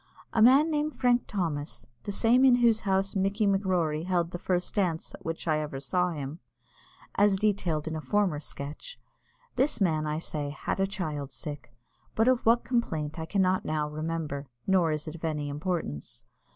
A man named Frank Thomas, the same in whose house Mickey M'Rorey held the first dance at which I ever saw him, as detailed in a former sketch; this man, I say, had a child sick, but of what complaint I cannot now remember, nor is it of any importance.